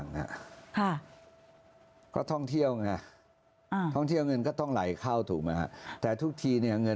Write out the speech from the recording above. เงินจะไหลเข้าทุกที่ทุกทาง